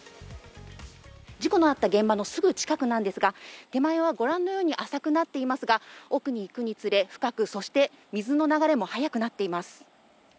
事故のあった現場のすぐ近くなんですが、手前は御覧のように浅くなっていますが、奥に行くにつれ、深く、そして水の流れも速くなっています。